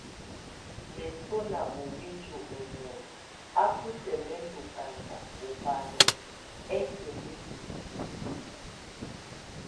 Mesona ó windi ó mon ábʼ o sɛk mɛ́ ndokanjak obano, ɛ́kɛ mí liek, o tíke.